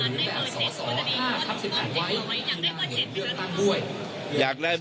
อันนี้จะต้องจับเบอร์เพื่อที่จะแข่งกันแล้วคุณละครับ